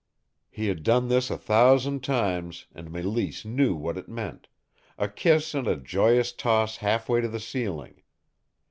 He had done this a thousand times, and Mélisse knew what it meant a kiss and a joyous toss halfway to the ceiling.